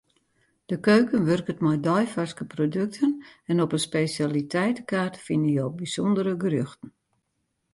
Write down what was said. De keuken wurket mei deifarske produkten en op 'e spesjaliteitekaart fine jo bysûndere gerjochten.